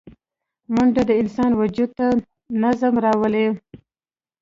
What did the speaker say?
منډه د انسان وجود ته نظم راولي